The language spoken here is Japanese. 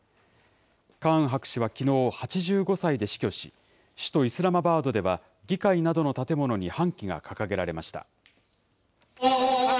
カーン博士はきのう、８５歳で死去し、首都イスラマバードでは、議会などの建物に半旗が掲げられました。